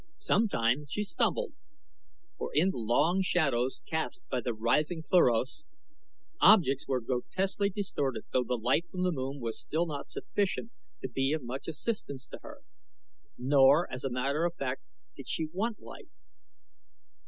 Sometimes she stumbled, for in the long shadows cast by the rising Cluros objects were grotesquely distorted though the light from the moon was still not sufficient to be of much assistance to her. Nor, as a matter of fact, did she want light.